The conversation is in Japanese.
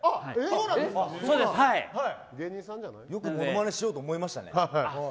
よくものまねしようと思いましたね。